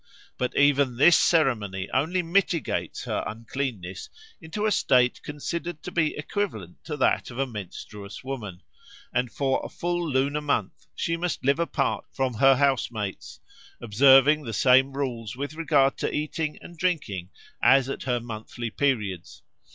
But even this ceremony only mitigates her uncleanness into a state considered to be equivalent to that of a menstruous woman; and for a full lunar month she must live apart from her housemates, observing the same rules with regard to eating and drinking as at her monthly periods.